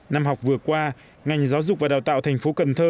năm học vừa qua ngành giáo dục và đào tạo thành phố cần thơ